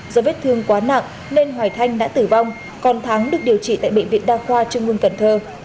do vết thương quá nặng nên hoài thanh đã tử vong còn thắng được điều trị tại bệnh viện đa khoa trung ương cần thơ